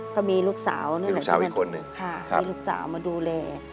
ก็มีลูกสาวนี่แหละลูกสาวอีกคนหนึ่งมีลูกสาวมาดูแล